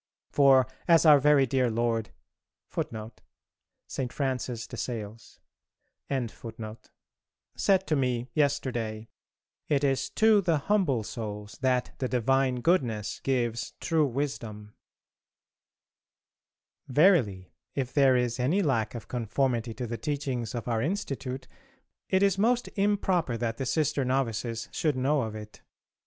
For, as our very dear Lord[A] said to me yesterday, "It is to the humble souls that the divine Goodness gives true wisdom." Verily, if there is any lack of conformity to the teachings of our Institute it is most improper that the sister novices should know of it.